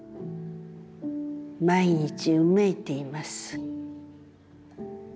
毎日呻いています。